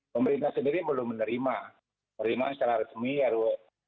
pemerintah sendiri belum menerima secara resmi rancangan ruu ebt